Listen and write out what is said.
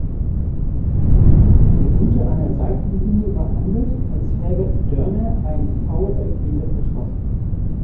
Minute an der Seitenlinie behandelt, als Herbert Dörner einen Foulelfmeter verschoss.